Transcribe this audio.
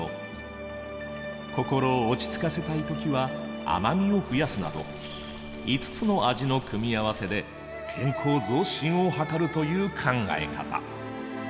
心を落ち着かせたい時は甘味を増やすなど五つの味の組み合わせで健康増進を図るという考え方。